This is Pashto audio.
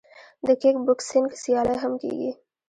د کیک بوکسینګ سیالۍ هم کیږي.